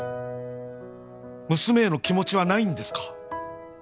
娘への気持ちはないんですか？